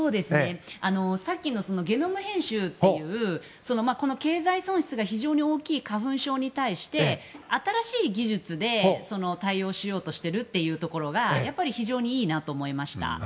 さっきのゲノム編集という経済損失が非常に大きい花粉症に対して新しい技術で対応しようとしているところが非常にいいなと思いました。